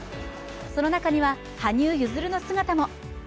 その中には、羽生結弦の姿も。